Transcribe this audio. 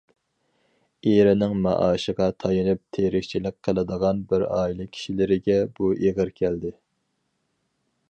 ئېرىنىڭ مائاشىغا تايىنىپ تىرىكچىلىك قىلىدىغان بىر ئائىلە كىشىلىرىگە بۇ ئېغىر كەلدى.